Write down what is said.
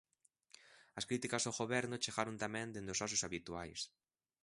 As críticas ao Goberno chegaron tamén dende os socios habituais.